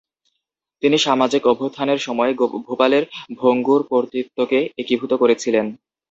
তিনি সামাজিক অভ্যুত্থানের সময়ে ভোপালের ভঙ্গুর কর্তৃত্বকে একীভূত করেছিলেন।